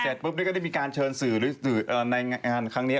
ปุ๊บก็ได้มีการเชิญสื่อในงานครั้งนี้